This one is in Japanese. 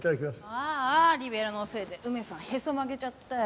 あーあリベロウのせいで梅さんへそ曲げちゃったよ。